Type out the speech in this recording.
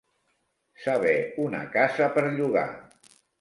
Saber una casa per llogar.